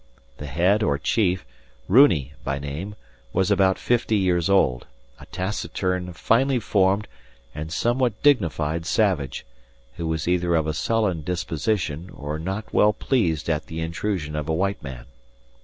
The head, or chief, Runi by name, was about fifty years old, a taciturn, finely formed, and somewhat dignified savage, who was either of a sullen disposition or not well pleased at the intrusion of a white man.